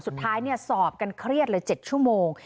สุดท้ายเนี่ยสอบกันเครียดเลย๗ชั่วโมง